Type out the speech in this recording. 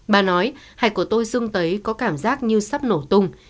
bà nói hạch của tôi dưng thấy có cảm giác như sắp nổ tung